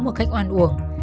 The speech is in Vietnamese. một cách oan uổng